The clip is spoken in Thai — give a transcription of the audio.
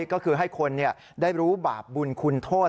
ก็คือให้คนได้รู้บาปบุญคุณโทษ